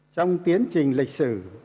trong tiến trình lịch sử